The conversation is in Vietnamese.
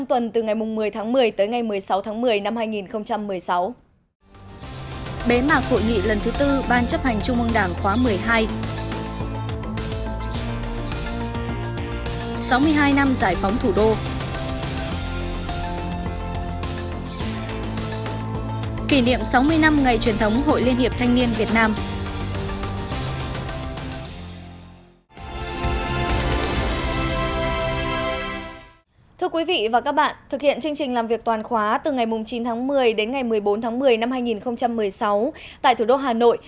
trong chương trình làm việc toàn khóa từ ngày chín tháng một mươi đến ngày một mươi bốn tháng một mươi năm hai nghìn một mươi sáu tại thủ đô hà nội